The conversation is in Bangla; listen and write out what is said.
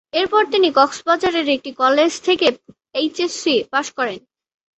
এরপর তিনি কক্সবাজারের একটি কলেজ থেকে এইচএসসি পাস করেন।